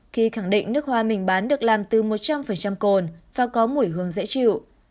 khi khẳng định nước hoa mình bán được làm từ một trăm linh cồn và có mùi hướng dễ chịu